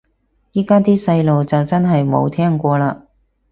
依家啲細路就真係冇聽過嘞